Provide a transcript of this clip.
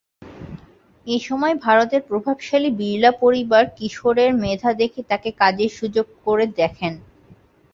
এসময় ভারতের প্রভাবশালী বিড়লা পরিবার কিশোরের মেধা দেখে তাকে কাজের সুযোগ করে দেখেন।